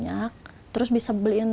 biar akang bisa berkembang